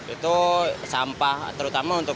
itu sampah terutama untuk